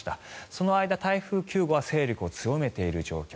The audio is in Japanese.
その間、台風９号は勢力を強めている状況。